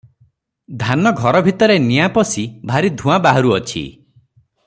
ଧାନ ଘର ଭିତରେ ନିଆଁ ପଶି ଭାରି ଧୂଆଁ ବାହାରୁଅଛି ।